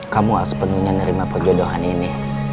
kamu sepenuhnya nerima perjodohan ini